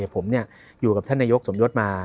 ผมอยู่กับท่านนายกสมยศมา